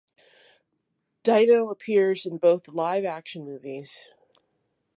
Dino appears in both live-action movies.